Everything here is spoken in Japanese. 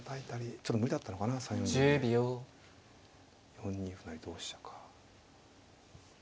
４二歩成同飛車か。